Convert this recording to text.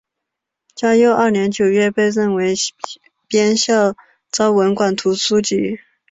嘉佑二年九月被任为编校昭文馆书籍。